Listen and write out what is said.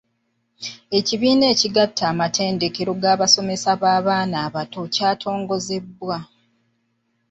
Ekibiina ekigatta amatendekero g’abasomesa b’abaana abato kyatongozebwa.